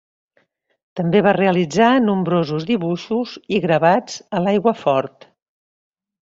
També va realitzar nombrosos dibuixos i gravats a l'aiguafort.